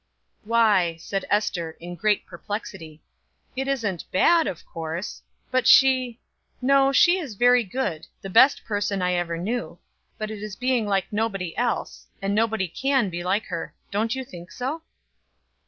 "Why," said Ester in great perplexity, "it isn't bad of course. But she no, she is very good, the best person I ever knew; but it is being like nobody else, and nobody can be like her. Don't you think so?"